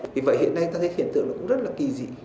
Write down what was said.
vì vậy hiện nay ta thấy hiện tượng nó cũng rất là kỳ dị